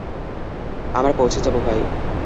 আমরা পৌঁছে যাবো, ভাই।